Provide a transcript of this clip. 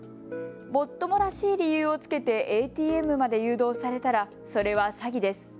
もっともらしい理由をつけてＡＴＭまで誘導されたらそれは詐欺です。